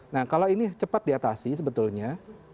nah kalau ini cepat diatasi sebetulnya